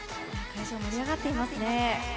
会場盛り上がっていますね。